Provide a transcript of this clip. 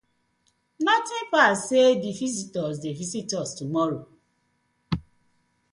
Notin pass say dek visitors dey visit us tomorrow,